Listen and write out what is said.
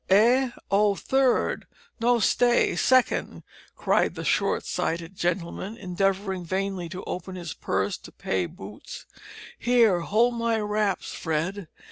"Eh oh third; no, stay, second," cried the short sighted gentleman, endeavouring vainly to open his purse to pay boots. "Here, hold my wraps, Fred."